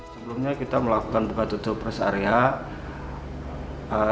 sebelumnya kita melakukan buka tutup rest area